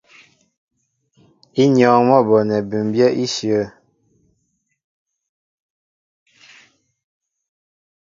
Ínyɔ́ɔ́ŋ mɔ́ a bonɛ bʉmbyɛ́ íshyə̂.